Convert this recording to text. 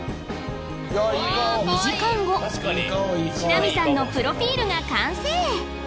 ２時間後ナミさんのプロフィルが完成